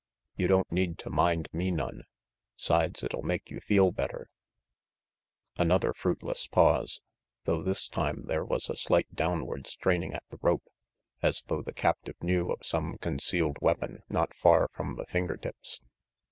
You don't need to mind me none; 'sides, it'll make you feel better Another fruitless pause, though this time there was a slight downward straining at the rope, as though the captive knew of some concealed weapon not far from the finger tips.